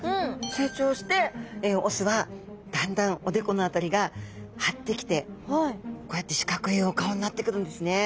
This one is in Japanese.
成長して雄はだんだんおでこの辺りが張ってきてこうやって四角いお顔になってくるんですね。